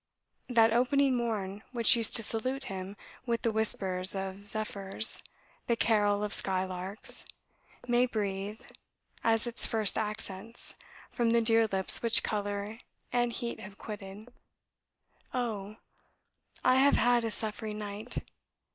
That opening morn, which used to salute him with the whispers of zephyrs, the carol of skylarks, may breathe, as its first accents, from the dear lips which colour and heat have quitted, 'Oh! I have had a suffering night.